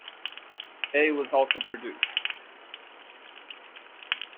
A was also produced.